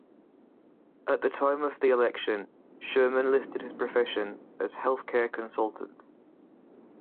At the time of the election, Sherman listed his profession as "health-care consultant".